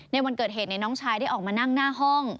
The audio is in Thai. ในวันเกิดเหตุน้องชายได้ออกมานั่งหน้าห้อง